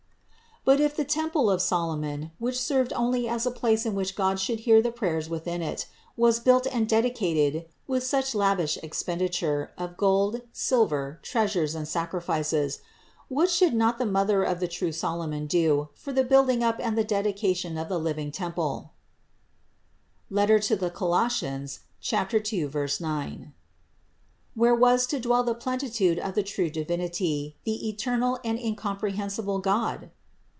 But if the temple of Solomon, which served only as a place in which God should hear the prayers within it, was built and dedicated with such lavish ex penditure of gold, silver, treasures and sacrifices, what should not the Mother of the true Solomon do for the building up and the dedication of the living temple (Colos. 2, 9) where was to dwell the plenitude of the true Divinity, the eternal and incomprehensible God?